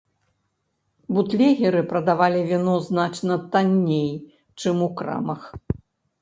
Бутлегеры прадавалі віно значна танней, чым у крамах.